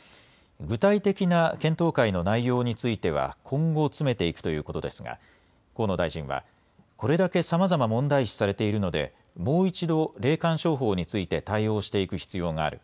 具体的な検討会の内容については、今後詰めていくということですが、河野大臣は、これだけさまざま問題視されているので、もう一度、霊感商法について対応していく必要がある。